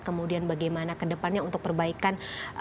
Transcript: kemudian bagaimana kedepannya untuk perbaikan